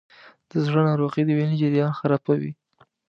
د زړه ناروغۍ د وینې جریان خرابوي.